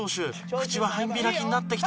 口は半開きになってきた。